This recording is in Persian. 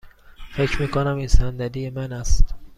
فکر می کنم این صندلی من است.